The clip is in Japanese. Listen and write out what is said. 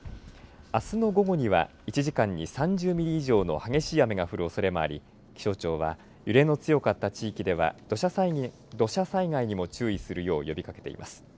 あすの午後には１時間に３０ミリ以上の激しい雨が降るおそれもあり気象庁は揺れの強かった地域では土砂災害にも注意するよう呼びかけています。